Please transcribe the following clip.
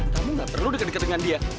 kamu gak perlu deket deket dengan dia